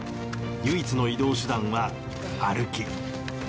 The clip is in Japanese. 唯一の移動手段は歩き。